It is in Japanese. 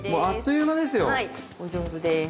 お上手です。